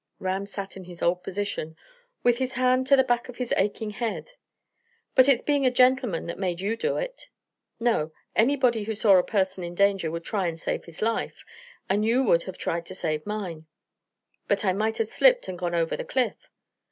Ram sat in his old position, with his hand to the back of his aching head. "But it's being a gentleman made you do it." "No; anybody who saw a person in danger would try and save his life; and you would have tried to save mine." "But I might have slipped and gone over the cliff."